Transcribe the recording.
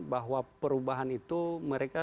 bahwa perubahan itu mereka